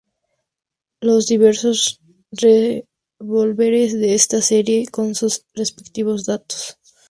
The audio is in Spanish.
Los diversos revólveres de esta serie, con sus respectivos datos.